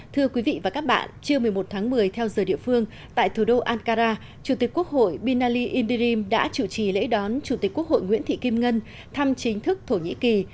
thưa quý vị và các bạn chiều một mươi một tháng một mươi theo giờ địa phương tại thủ đô ankara chủ tịch quốc hội binali indirim đã chủ trì lễ đón chủ tịch quốc hội nguyễn thị kim ngân thăm chính thức thổ nhĩ kỳ